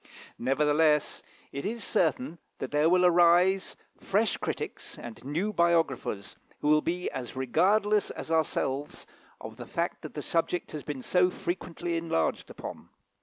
Nevertheless, it is certain that there will yet arise fresh critics and new biographers, who will be as regardless as ourselves of the fact that the subject has been so frequently enlarged upon.